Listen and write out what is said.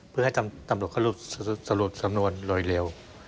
เพื่อให้ตำรวจเขาสรุปสำนวนโดยเร็ว